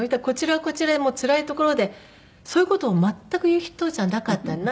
こちらはこちらでつらいところでそういう事を全く言う人じゃなかった。